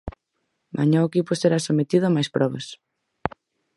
Mañá o equipo será sometido a máis probas.